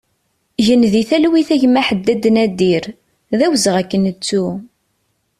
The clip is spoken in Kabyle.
Gen di talwit a gma Ḥaddad Nadir, d awezɣi ad k-nettu!